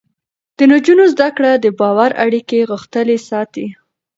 د نجونو زده کړه د باور اړیکې غښتلې ساتي.